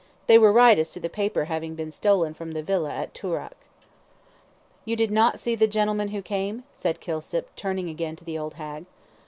They were right as to the paper having been stolen from the Villa at Toorak. "You did not see the gentleman who came?" said Kilsip, turning again to the old hag.